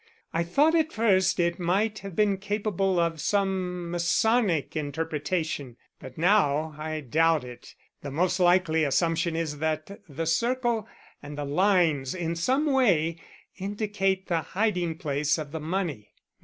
I thought at first it might have been capable of some masonic interpretation, but now I doubt it. The most likely assumption is that the circle and the lines in some way indicate the hiding place of the money."